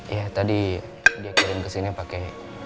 ya tadi dia kirim kesini pake